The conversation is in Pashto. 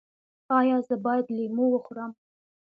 ایا زه باید لیمو وخورم؟